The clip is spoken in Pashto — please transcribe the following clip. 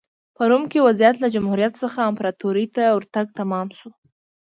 په روم کې وضعیت له جمهوریت څخه امپراتورۍ ته ورتګ تمام شو